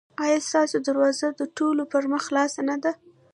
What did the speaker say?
ایا ستاسو دروازه د ټولو پر مخ خلاصه نه ده؟